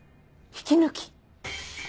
引き抜き？